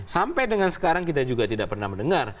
sampai dengan sekarang kita juga tidak pernah mendengar